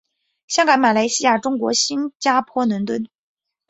香港马来西亚中国新加坡伦敦